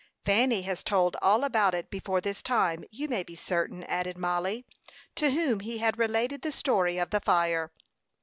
"Fanny has told all about it before this time, you may be certain," added Mollie, to whom he had related the story of the fire.